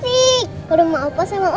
kita buatkan mereka bareng bareng ya